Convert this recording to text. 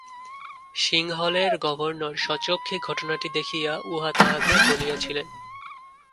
সিংহলের governor স্বচক্ষে ঘটনাটি দেখিয়া উহা তাঁহাকে বলিয়াছিলেন।